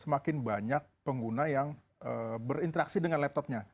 semakin banyak pengguna yang berinteraksi dengan laptopnya